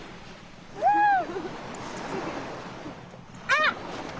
あっ！